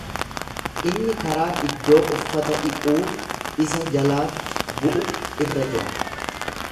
Inni karaa iddoo uffata dhiquu isa jalaatti bu'u irra jira.